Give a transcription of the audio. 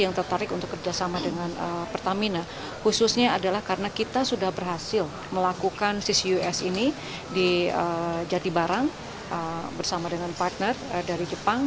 yang tertarik untuk kerjasama dengan pertamina khususnya adalah karena kita sudah berhasil melakukan ccus ini jadi barang bersama dengan partner dari jepang